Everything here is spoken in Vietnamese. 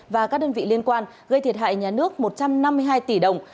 và các đơn vị liên quan gây thiệt hại nhà nước một trăm năm mươi hai tỷ đồng